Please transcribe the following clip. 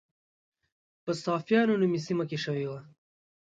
په صافیانو نومي سیمه کې شوې وه.